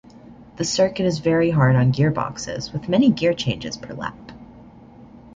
The circuit is very hard on gearboxes, with many gear changes per lap.